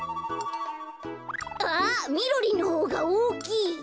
あっみろりんのほうがおおきい！